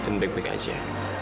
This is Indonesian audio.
dan baik baik aja